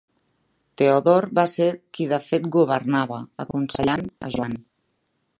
Teodor va ser qui de fet governava, aconsellant a Joan.